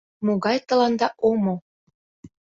— Могай тыланда омо?